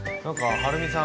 はるみさん